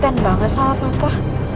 tante andes gak salah papa